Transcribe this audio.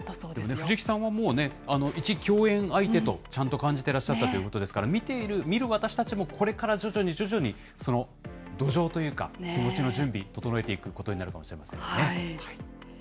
藤木さんはもうね、一共演相手とちゃんと感じてらっしゃったということですから、見ている、見る私たちもこれから徐々に徐々に、その土壌というか、気持ちの準備、整えていくことになるかもしれませんね。